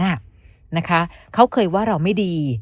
นะคะเขาเคยว่าเราไม่ดี